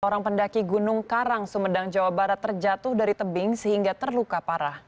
orang pendaki gunung karang sumedang jawa barat terjatuh dari tebing sehingga terluka parah